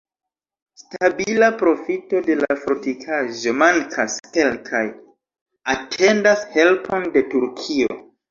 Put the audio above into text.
Stabila profito de la fortikaĵo mankas, kelkaj atendas helpon de Turkio.